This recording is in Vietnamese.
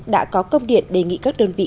đã có công điện đề nghị các đơn vị